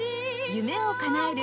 夢をかなえる！